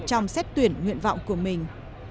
trong xét tuyển nguyện vọng của mình